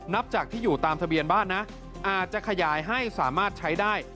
นับจากที่อยู่ตามทะเบียนบ้านนะอาจจะขยายให้สามารถใช้ได้